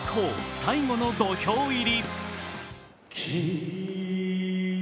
最後の土俵入り。